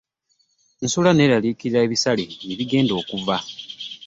Nsula nneeraliikirira bisale gye bigenda kuva.